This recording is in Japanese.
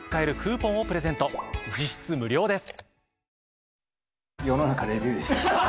実質無料です。